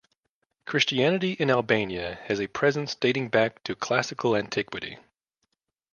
Christianity in Albania has a presence dating back to classical antiquity.